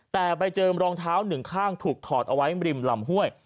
แต่ไปเจอรองเท้าหนึ่งข้างถูกถอดเอาไว้ริมลำห้วย